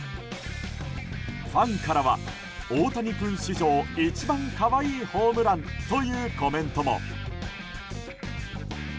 ファンからは大谷君史上一番可愛いホームランというコメントも。